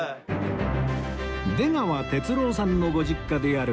出川哲朗さんのご実家である蔦